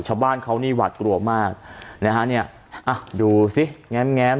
ชาวบ้านเขานี่หวัดกลัวมากนะฮะเนี่ยอ่ะดูสิแง้มแง้ม